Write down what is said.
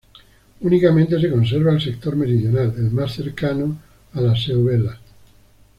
Únicamente se conserva el sector meridional, el más cercano a La Seu Vella.